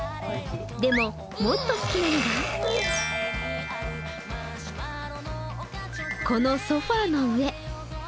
でも、もっと好きなのがこのソファーの上。